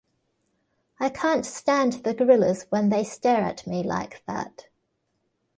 I can't stand the gorillas when they stare at me like that.